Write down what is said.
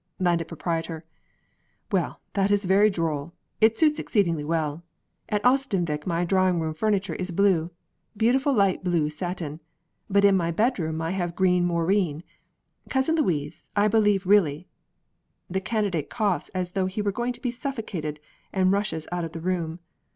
Landed Proprietor Well, that's very droll; it suits exceedingly well. At Oestanvik my drawing room furniture is blue; beautiful light blue satin. But in my bedroom I have green moreen. Cousin Louise, I believe really The Candidate coughs as though he were going to be suffocated, and rushes out of the room.